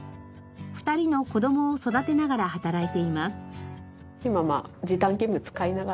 ２人の子どもを育てながら働いています。